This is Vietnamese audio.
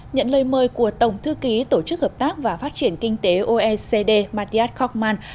nhận lời mời của tổng thư ký tổ chức hợp tác và phát triển kinh tế oecd mattias kochman